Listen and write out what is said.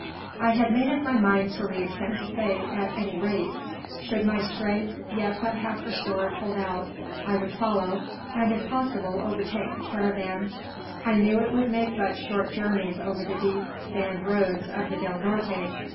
I had made up my mind to leave Santa Fe at any rate. Should my strength, yet but half restored, hold out, I would follow, and if possible overtake the caravan. I knew it could make but short journeys over the deep sand roads of the Del Norte.